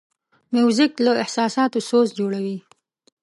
موزیک له احساساتو سوز جوړوي.